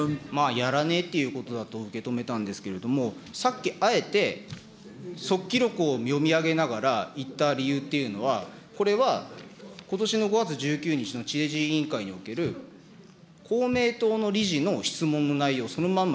やらねぇということだと受け止めたんですけれども、さっきあえて、速記録を読み上げながら言った理由というのは、これはことしの５月１９日の委員会における公明党の理事の質問の内容、そのまんま